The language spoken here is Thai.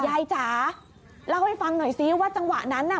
จ๋าเล่าให้ฟังหน่อยซิว่าจังหวะนั้นน่ะ